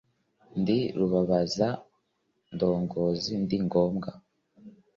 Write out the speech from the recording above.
Ndi rubabaza ndongozi ndi ngombwa